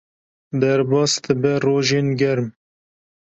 Derbas dibe rojên germ.